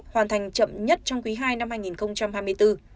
hoàn thành chậm nhất trong quý ii năm hai nghìn hai mươi bốn